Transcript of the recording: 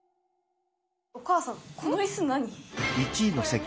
お母さんこの椅子何？